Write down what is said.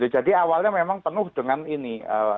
awalnya memang penuh dengan ini